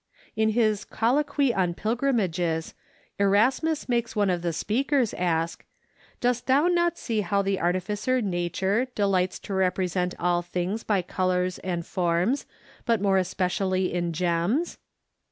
In his "Colloquy on Pilgrimages," Erasmus makes one of the speakers ask, "Dost thou not see how the artificer Nature delights to represent all things by colors and forms, but more especially in gems?"